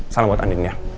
salam buat andin ya